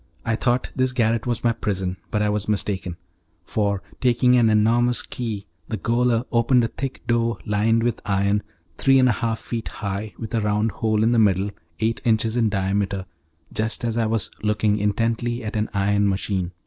I thought this garret was my prison, but I was mistaken; for, taking an enormous key, the gaoler opened a thick door lined with iron, three and a half feet high, with a round hole in the middle, eight inches in diameter, just as I was looking intently at an iron machine.